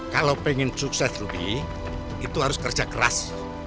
kalau pengen sukses rugi itu harus kerja keras